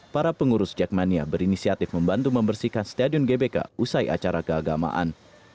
para pengurus jakmania berinisiatif membantu membersihkan stadion gbk usai acara keagamaan